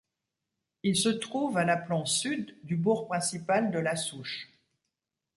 Il se trouve à l'aplomb sud du bourg principal de La Souche.